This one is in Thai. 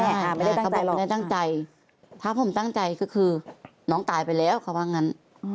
เขาบอกไม่ได้ตั้งใจถ้าผมตั้งใจก็คือน้องตายไปแล้วเขาว่างั้น